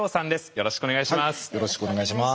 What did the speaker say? よろしくお願いします。